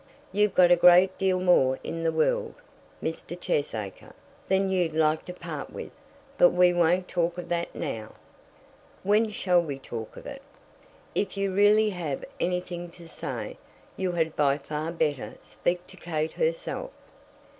"You've got a great deal more in the world, Mr. Cheesacre, than you'd like to part with. But we won't talk of that, now." "When shall we talk of it?" "If you really have anything to say, you had by far better speak to Kate herself."